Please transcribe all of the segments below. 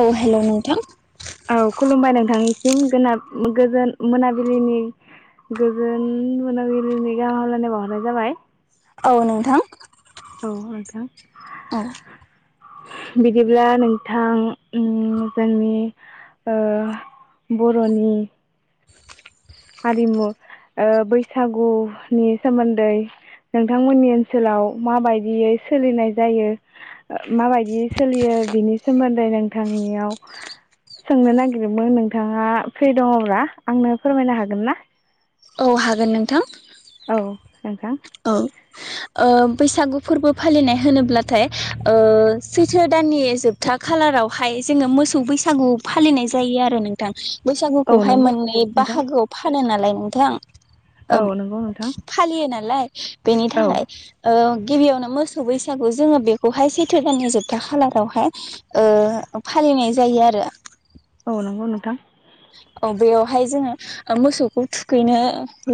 औ हेलौ नोंथां औ खुलुमबाय नोंथांनिसिम गोना गोजोन मोनाबिलिनि गोजोन मोनाबिलिनि गाहाम हलायनाय बावहरनाय जाबाय। औ नोंथां। औ नोंथां औ बिदिब्ला नोंथां उम जोंनि ओ बर'नि हारिमु ओ बैसागुनि सोमोन्दै नोंथांमोननि ओनसोलाव माबायदियै सोलिनाय जायो माबायदियै सोलियो बिनि सोमोन्दै नोंथांनियाव सोंनो नागिरदोंमोन नोंथाङा फ्रि दङब्ला आंनो फोरमायनो हा गोनना? औ हागोन नोंथां। औ नोंथां औ ओ बैसागु फोरबो फालिनाय होनोब्लाथाय ओ सैथो दाननि जोबथा खालारावहाय जोङो मोसौ बैसागु फालिनाय जायो आरो नोंथां। औ बैसागुखौहाय नंगौ मोननै नोंथां बाहागोआव फानो नालाय नोंथां ओब औ नंगौ नोंथां फालियो नालाय [inaudible] बेनि औ थाखाय ओ गिबियावनो मोसौ बैसागु जोङो बेखौहाय सैथो दाननि जोबथा खालारावहाय ओ फालिनाय जायो आरो। औ नंगौ नोंथां। औ बेयावहाय जोङो ओ मोसौखौ थुखैनो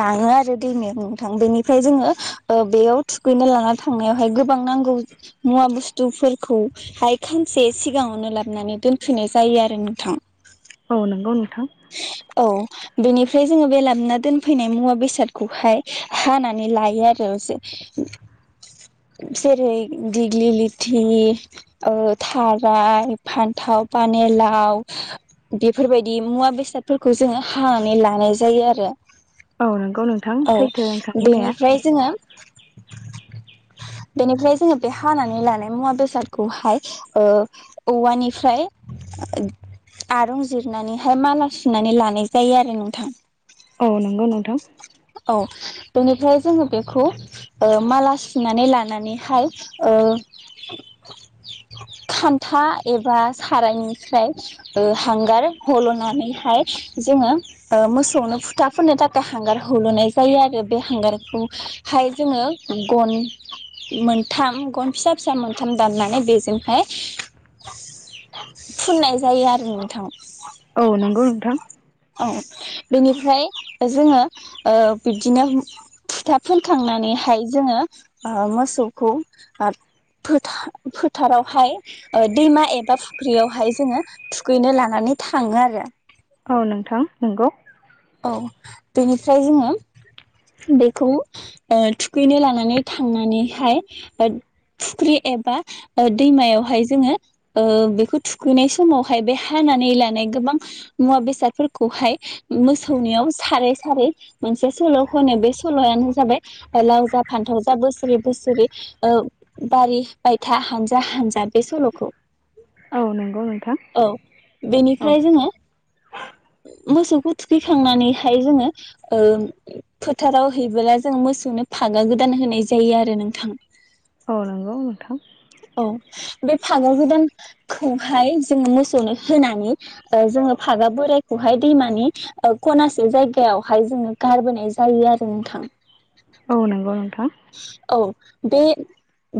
लाङो आरो दैमायाव नोंथां बेनिफ्राय जोङो बेयाव थुखैनो लाना थांनायावहाय गोबां नांगौ मुवा बुस्थुफोरखौहाय खानसे सिगाङावनो लाबोनानै दोनफैनाय जायो आरो नोंथां। औ नोंगौ नोंथां। औ बेनिफ्राय जोङो बे लाबना दोनफैनाय मुवा बेसादखौहाय हानानै लायो आरो जे-जेरै दिग्लि लिथि ओ थाराय फान्थाव पानिलाव बेफोरबायदि मुवा बे बेसादफोरखौ जोङो हानानै लानाय जायो आरो। औ नंगौ नोंथां औ सैथो नोंथां बुंनाया। बेनिफ्राय जोङो बेनिफ्राय जोङो बे हानानै लानाय मुवा बेसादखौहाय ओ औवानिफ्राय आरंजिरनानैहाय मााला सुनानै लानाय जायो आरो नोंथां। औ नंगौ नोंथां। औ बेनिफ्राय जोङो बेखौ ओ माला सुनानै लानानैहाय ओ खान्था एबा सारायनिफ्राय ओ हांगार हल'नानैहाय जोङो ओ मोसौनो फुथाफोननो थाखाय हांगार ह ल'नाय जायो आरो बे हांगारखौहाय जोङो गन मोनथाम गन फिसा-फिसा मोनथाम दाननानै बेजोंहाय फुननाय जायो आरो नोंथां। औ नंगौ नोंथां। औ बेनिफ्राय जोङो ओ बिबदिनो फुथा फोनखांनानैहाय जोङो मोसौखौ फोथा फोथारावहाय दैमा एबा फुख्रियावहाय जोङो थुखैनो लानानै थाङो आरो। औ नोंथां नंगौ। औ बेनिफ्राय जोङो बेखौ ओ थुखैनो लानानै थांनानैहाय फुख्रि एबा दैमायावहाय जोङो ओ बेखौ थुखैनाय समावहाय बे हानानै लानाय गोबां मुवा बेसादफोरखौहाय मोसौनियाव सारै सारै मोनसे सल' होनो बे सल'आनो जाबाय लावजा फान्थाव जा बोसोरै बोसोरै बारि बायथा हानजा हानजा बे सल'खौ। औ नंगौ नोंथां औ औ बेनिफ्राय जोङो मोसौखौ थुखैखांनानैहाय जोङो ओ फोथाराव हैबोला जोङो मोसौनो फागा गोदान होनाय जायो आरो नोंथां। औ नंगौ नोंथां। औ बे फागा गोदानखौहाय जोङो मोसौनो होनानै जोङो फागा बोरायखौहाय दैमानि खनासे जायगायावहाय जोङो गारबोनाय जायो आरो नोंथां। औ नोंगौ नों औ। बे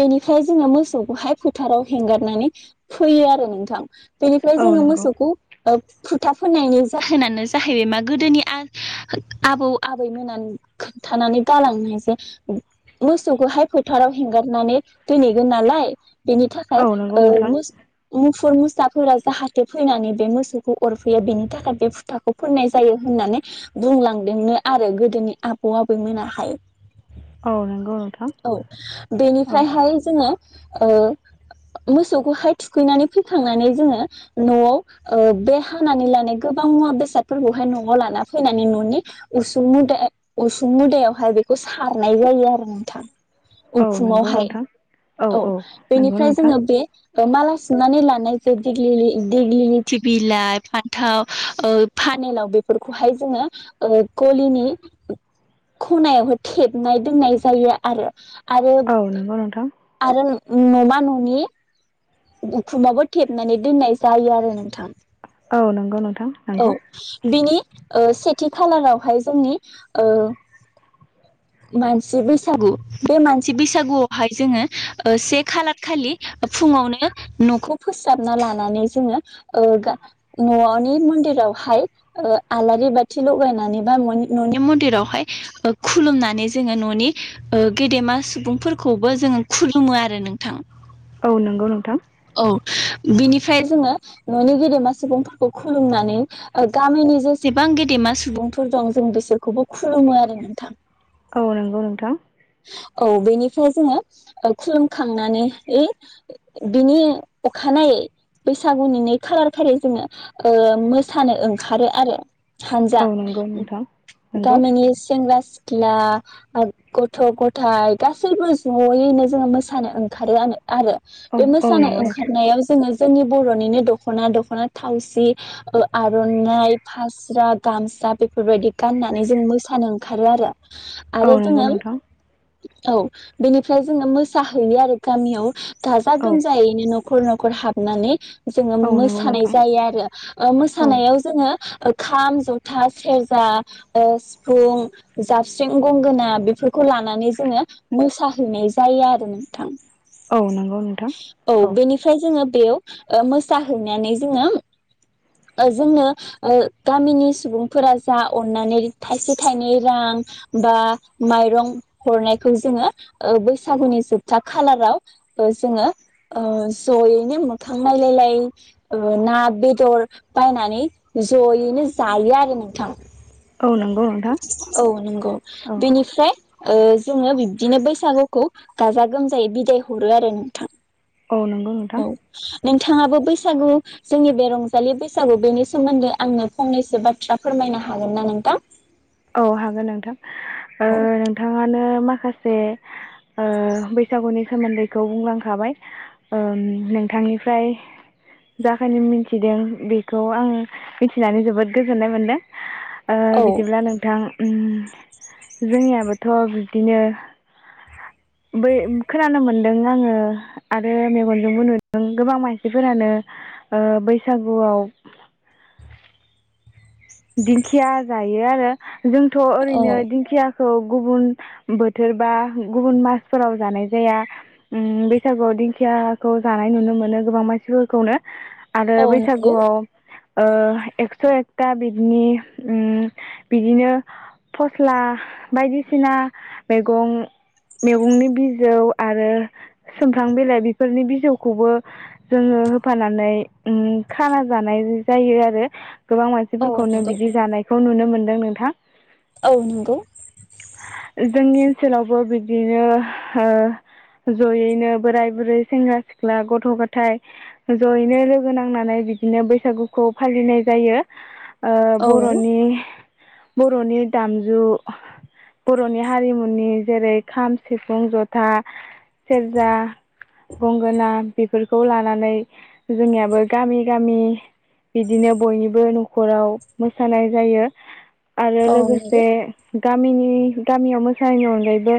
बेनिफ्राय जोङो मोसौखौहाय फोथाराव हेंगारनानै फैयो आरो नोंथां। बेनिफ्राय औ जोङो नंगौ मोसौखौ ओ‌ फुथा फोननायनि जाहोनानो जाहैबाय मा गोदोनि आबौ आबैमोना खोनथानानै गालांनाय जे मोसौखौहाय फोथाराव हेंगारनानै दोनहैगोन नालाय बेनि औ थाखाय‌ नंगौ ओ नोंथां मोसौ मुफुर मुसाफोरा जाहाथे फैनानै बे मोसौखौ अरफैया बेनि थाखाय बे फुथाखौ फोननाय जायो होननानै बुंलांदोंनो आरो गोदोनि आबौ आबैमोनाहाय। औ नंगौ नोंथां औ औ बेनिफ्रायहाय जोङो ओ‌‌ मोसौखौहाय थुखैनानै फैखांनानै जोङो नआव ओ बे हानानै लानाय गोबां मुवा बेसादफोरखौहाय नआव लाना फैनानै ननि उसुं मुदा‌ उसुं मुदायावहाय बेखौ सार सानाय जायो आरो नोंथां। औ नंगौ उखुमावहाय नोंथां औ बेनिफ्राय जोङो बे माला सुनानै ला नाय जे‌ दिगलि लिटि बिलाइ फान्थाव फानलाव बेफोरखौहाय जोङो ओ गलि ख'नायावहो थेब नाय दोननाय जायो आरो। औ नोंगौ नोंथां। नमा ननि उखुमाबो थेबनानै दोननाय जायो आरो नोंथां। औ नंगौ नोंथां औ नंगौ बिनि से थि खालारावहाय जोंनि ओ मानसि बैसागु बे मानसि बैसागुआवहाय जोङो से खालार खालि फुङावनो नो नखौ फोसाबना लानानै जोङो ओ ननि मन्दिरावहाय आलारि बाथि लगायनानै बा ननि मन्दिरावहाय खुलुमनानै जोङो ननि ओ गेदेमा सुबुंफोरखौबो जोङो खुलुमो आरो नोंथां। औ नोंगौ नोंथां। औ बिनिफ्राय जोङो ननि गेदेमा सुबुंफोरखौ खुलुमनानै गामिनि जेसेबां गेदेमा सुबुंफोर दं जों बिसोरखौबो खुलुमो आरो नोंथां। औ नोंगौ नोंथां। औ बेनिफ्राय जोङो खुलुमखांनानै बिनि अखानायै बैसागुनि नै खालार खालि जोङो ओ मोसानो ओंखारो आरो। हानजा औ नंगौ नोंथां नंगौ गामिनि सेंग्रा‌ सि सिथ्ला‌ ओ गथ' गथायाइ गासैबो जयैनो जोङो मोसानो ओंखारोआनो आरो। औ बे औ मोसानो नंगौ नोंथां ओंखारनायाव जोङो जोंनि बर'निनो दखना दखना थावसि ओ आरनाइ फास्रा गामसा बेफोरबायदि गाननानै जों मोसानो ओंखारो आरो। औ आरो नोंगौ जोङो नोंथां। औ बेनिफ्राय जोङो मोसाहैयो आरो गामियाव गा औ [unintelligible] न'खर न'खर हाबनानै जोङो औ नंगौ मोसानाय नोंथां जायो आरो ओ औ मोसानायाव जोङो ओ खाम, जथा, सेरजा ओ सिफुं, जाबस्रिं, गंगोना बेफोरखौ लानानै जोङो मोसाहैनाय जायो आरो नोंथां। औ नोंगौ नों औ बेनिफ्राय जोङो बेयाव ओ मोसाहैनानै जोङो ओ जोंनो ओ गामिनि सुबुंफोरा जा अन्नानै थाइसे थाइनै रां बा माइरं हरनायखौ जोङो ओ बैसागुनि जोबथा खालाराव ओ जोङो ओ जयैनो मोखां नायलायलाय ओ ना, बेदर बायनानै जयैनो जायो आरो नोंथां। औ नंगौ नोंथां औ नोंगौ औ बेनिफ्राय ओ जोङो बिब्दिनो बैसागुखौ गाजा गोमजायै बिदाय हरो आरो नोंथां। औ नोंगौ नोंथां औ नोंथाङाबो बैसागु जोंनि बे रंजालि बैसागु बेनि सोमोन्दै आंनो फंनैसो बाथ्रा फोरमायनो हागोन ना नोंथां। औ हागोन नोंथां। ओ नोंथाङानो मा खासे ओ बैसागुनि सोमोन्दैखौ बुंलांखाबाय ओ नोंथांनिफ्राय जाखायनो मिथिदों बेखौ आं मिथिनानै जोबोद गोजोननाय मोनदों। ओ औ बिदिब्ला नों ओ ओम जोंनियाबोथ' बिब्दिनो बै खोनानो मोन्दों आङो आरो मेगनजोंबो नुदों गोबां मानसिफोरानो ओ बैसागुआव दिंखिया जायो आरो जोंथ' ओरैनो औ दिंखिया खौ गुबुन बोथोर बा गुबुन मासफोराव जानाय जाया ओम बैसागुआव दिंखियाखौ जानाय नुनो मोनो गोबां मानसिफोरखौनो आरो औ नंगौ बैसागुआव ओ एकस' एकथा बि दिनि ओम बिदिनो फस्ला बायदिसिना मैगं-मैगंनि बिजौ आरो सुमफ्राम बिलाइ बेफोरनि बिजौखौबो जोङो होफानानै ओम खाना जानाय जायो आरो गोबां मानसि औ खौनो नंगौ बिदि जानायखौ नुनो मो दों नोंथां। औ नोंगौ। ओसोलावबो बिब्दिनो ओ जयैनो बोराय-बुरै, सेंग्रा-सिख्ला, गथ'-गथाय जयैनो लोगो नांनानै बिदिनो बैसागुखौ फालिनाय जायो। ओ औ बर'नि बर'नि दामजु बर'नि हारिमुनि जेरै खाम, सिफुं, जथा, सेरजा, गंगोना बेफोरखौ लानानै जोंनियाबो गामि-गामि बिदिनो बयनिबो न' खराव मोसानाय जायो। आरो औ लोगोसे नंगौ गामिनि गामियाव मोसायैनि अनगायैबो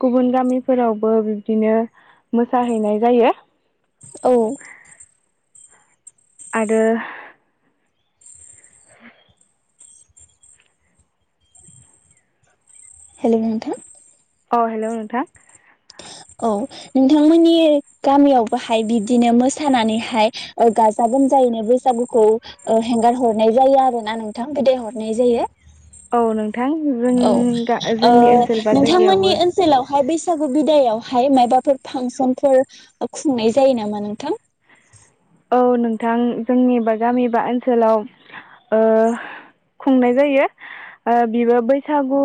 गुबुन गामिफोरावबो बिब्दिनो मोसाहैनाय जायो। औ आरो हेल' नोंथां अ हेल' नोंथां औ नोंथांमोननि गामियावबोहाय बिब्दिनो मोसानानैहाय ओ गाजा गोमजायैनो बैसागुखौ ओ हेंगार हरनाय जायो आरोना नोंथां बिदाय हरनाय जायो। औ नोंथां जों औ गा ओ जोंनि ओनसोल बा जायगायावबो बैसागौ बिदायआव हाय मायबाफोर फांसनफोर खुंनाय जायो नामा नोंथां? औ नोंथां जोंनि बा गामि बा ओनसोलाव ओ खुंनाय जायो । ओ बिबो बैसागु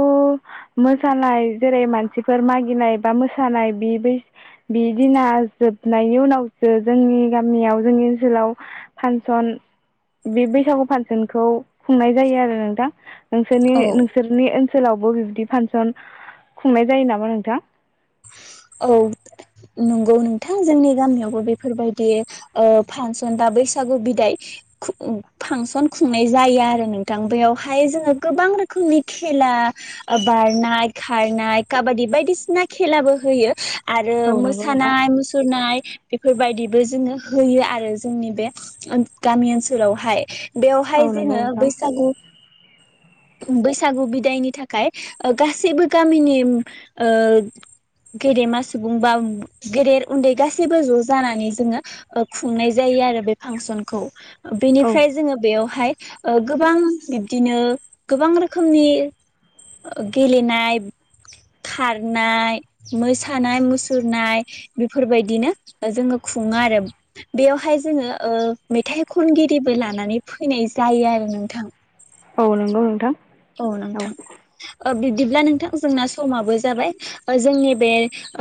मोसानाय जेरै मानसिफोर मागिनाय बा मोसानाय बि बि बिदिना जोबनायनि उनावसो जोंनि गामियाव जोंनि ओनसोलाव फानसन बे बैसागु फानसनखौ खुंनाय जायो आरो नोंथां। नोंसोरनि औ नोंसोरनि ओन सोलावबो बिबदि फांसन खुंनाय जायो नामा नोंथां? औ नोंगौ नोंथां, जोंनि गामियावबो बेफोरबायदि ओ फांसन बा बैसागु बिदाय खुं फांसन खुंनाय जायो आरो नोंथां बेवहाय जोङो गोबां रोखोमनि खेला ओ बारनाय खारनाय काबादि बायदिसिना खेलाबो होयो आरो औ नंगौ नोंथां। मोसानाय मुसुरनाय इफोरबायदिबो जोङो होयो आरो जोंनि बे ओ गामि ओनसोलावहाय । बेवहाय औ नंगौ जोङो नोंथां बैसागु बैसागु बिदायनि थाखाय ओ गासैबो गामिनि ओ गेदेमा सुबुं बा गेदेर उन्दै गासैबो ज' जानानै जोङो ओ खुंनाय जायो आरो बे फांसनखौ । औ बेनिफ्राय जोङो बेवहाय ओ गोबां बिब्दिनो गोबां रोखोमनि गेलेनाय खारनाय मोसानाय, मुसुरनाय बेफोरबायदिनो जोङो खुङो आरो बेवहाय जोङो ओ मेथाइ खनगिरिबो लानानै फैनाय जायो आरो नोंथां । औ नोंगौ नोंथां अ औ नोंथां बिदिब्ला नोंथां जोंना समाबो जाबाय ओ जोंनि बे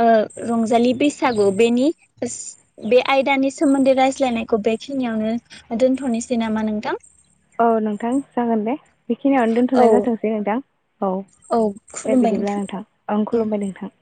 ओ रंजालि बैसागु बेनि बे आयदानि सोमोन्दै रायज्लायनायखौ बेखिनियावनो दोनथ'नोसै नामा नोंथां? औ नोंथां जागोन दे । बेखिनियावनो औ दोनथ'नाय जाथोंसै नोंथां । औ दे बिदिब्ला नोंथां ओं खुलुमबाय नोंथां ।